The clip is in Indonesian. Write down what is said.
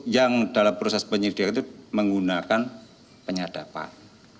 yang dalam proses penyidikan itu menggunakan penyadapan